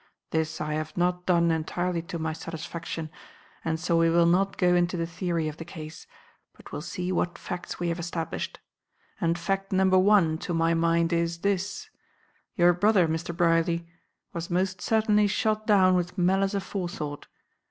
This I have not done entirely to my satisfaction, and so we will not go into the theory of the case, but will see what facts we have established; and fact number one, to my mind, is this: Your brother, Mr. Brierly, was most certainly shot down with malice aforethought.